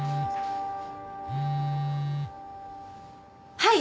はい。